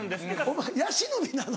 お前ヤシの実なの？